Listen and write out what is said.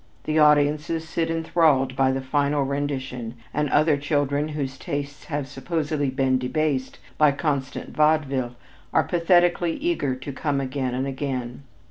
The audiences sit enthralled by the final rendition and other children whose tastes have supposedly been debased by constant vaudeville, are pathetically eager to come again and again.